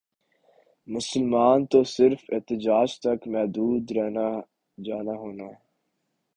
مسلمان تو صرف احتجاج تک محدود رہنا جانا ہونا